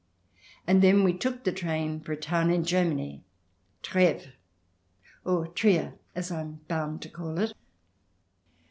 And then we took the train for a town in Germany, Treves — or Trier, as I am bound to call it.